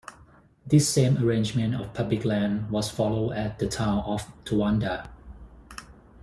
This same arrangement of public land was followed at the town of Towanda.